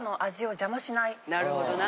なるほどな。